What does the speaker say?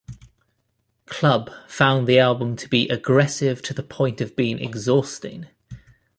Club" found the album to be "aggressive to the point of being exhausting".